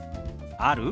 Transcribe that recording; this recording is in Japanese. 「ある？」。